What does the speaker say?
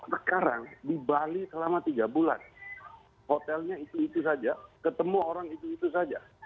sekarang di bali selama tiga bulan hotelnya itu itu saja ketemu orang itu itu saja